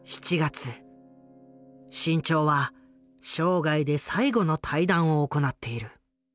志ん朝は生涯で最後の対談を行っている。